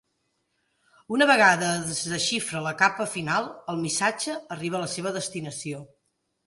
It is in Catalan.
Una vegada es desxifra la capa final, el missatge arriba a la seva destinació.